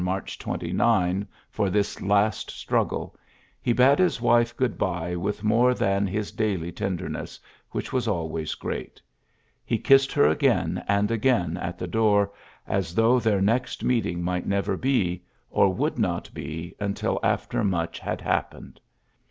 GEANT 117 on March 29 ^or this last struggle^ he bade his wife good by with more than his daily tenderness^ which was always great. He kissed her again and again at the door^ as though their next meet ing might never be, or would not be until after much had happened.